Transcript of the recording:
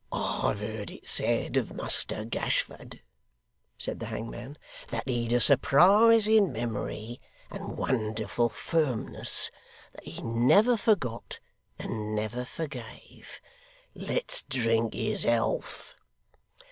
'I've heerd it said of Muster Gashford,' said the hangman, 'that he'd a surprising memory and wonderful firmness that he never forgot, and never forgave. Let's drink his health!